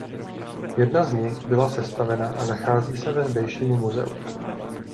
Jedna z nich byla sestavena a nachází se ve zdejším muzeu.